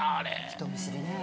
人見知りね。